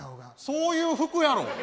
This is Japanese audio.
そういう服やろ。